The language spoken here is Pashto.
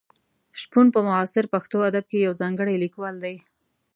شپون په معاصر پښتو ادب کې یو ځانګړی لیکوال دی.